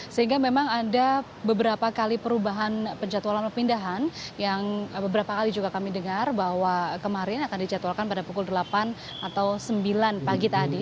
sehingga memang ada beberapa kali perubahan penjatualan perpindahan yang beberapa kali juga kami dengar bahwa kemarin akan dijadwalkan pada pukul delapan atau sembilan pagi tadi